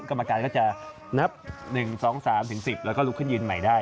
กรรมการก็จะนับ๑๒๓๑๐แล้วก็ลุกขึ้นยืนใหม่ได้